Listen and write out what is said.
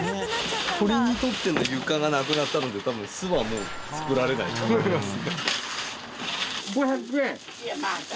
鳥にとっての床がなくなったので多分巣はもう作られないと思いますね。